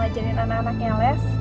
mau ngajarin anak anaknya les